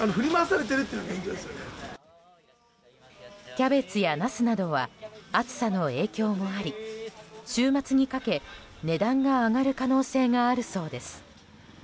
キャベツやナスなどは暑さの影響もあり週末にかけ、値段が上がる可能性があるそうです。